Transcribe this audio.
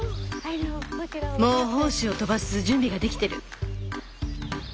もう胞子を飛ばす準備ができてる。